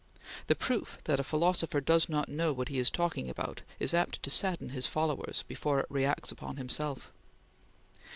The proof that a philosopher does not know what he is talking about is apt to sadden his followers before it reacts on himself.